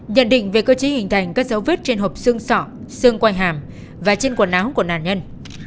nhận định về cơ chế hình thành các dấu vết trên hộp xương sọ xương quay hàm và trên quần áo của nạn nhân